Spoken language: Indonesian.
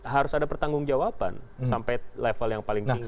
harus ada pertanggung jawaban sampai level yang paling tinggi